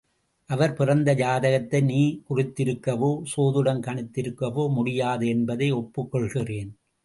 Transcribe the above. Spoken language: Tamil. அவர் பிறந்த ஜாதகத்தை நீ குறித்திருக்கவோ, சோதிடம் கணித்திருக்கவோ முடியாது என்பதை ஒப்புக் கொள்கிறேன்.